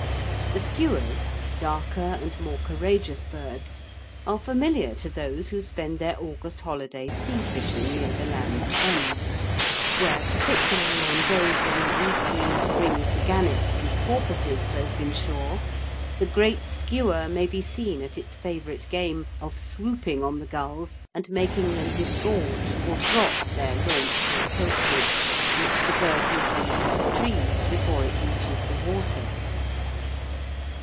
The skuas, darker and more courageous birds, are familiar to those who spend their August holiday sea fishing near the Land's End, where, particularly on days when the east wind brings the gannets and porpoises close inshore, the great skua may be seen at its favourite game of swooping on the gulls and making them disgorge or drop their launce or pilchard, which the bird usually retrieves before it reaches the water.